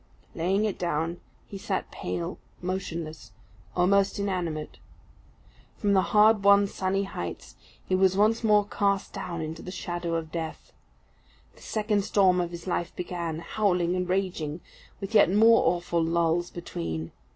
Laying it down, he sat pale, motionless, almost inanimate. From the hard won sunny heights, he was once more cast down into the shadow of death. The second storm of his life began, howling and raging, with yet more awful lulls between.